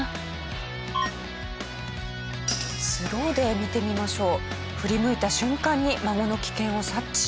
スローで見てみましょう。